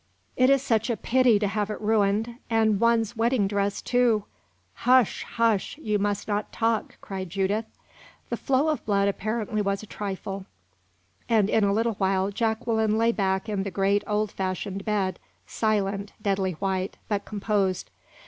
"It is such a pity to have it ruined and one's wedding dress, too!" "Hush hush! you must not talk," cried Judith. The flow of blood apparently was a trifle, and in a little while Jacqueline lay back in the great, old fashioned bed silent, deadly white, but composed.